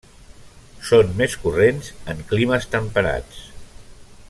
Són més corrents en climes temperats.